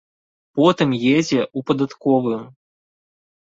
Потым едзе ў падатковую.